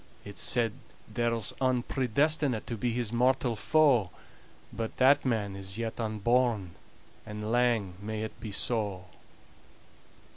It's said there's ane predestinate To be his mortal foe; But that man is yet unborn And lang may it be so."